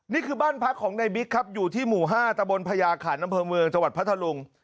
นี่คือบ้านพักของในบิ๊กครับอยู่ที่หมู่๕ตะบนพญาขันอำเภอเมืองจังหวัดพัทธลุง